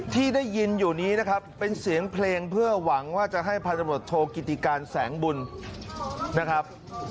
ที่ได้ยินอยู่นี้นะครับเป็นเสียงเพลงเพื่อหวังว่าจะให้พันธบทโทกิติการแสงบุญนะครับ